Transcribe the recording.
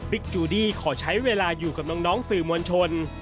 จูดี้ขอใช้เวลาอยู่กับน้องสื่อมวลชน